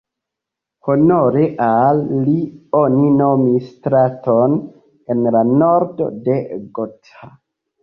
Honore al li oni nomis straton en la nordo de Gotha.